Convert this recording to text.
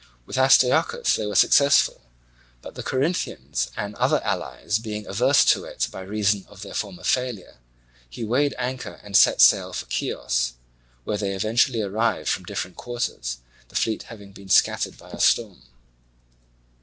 With Astyochus they were successful; but the Corinthians and the other allies being averse to it by reason of their former failure, he weighed anchor and set sail for Chios, where they eventually arrived from different quarters, the fleet having been scattered by a storm.